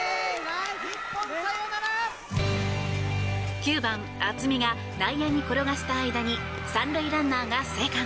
９番、渥美が内野に転がした間に３塁ランナーが生還。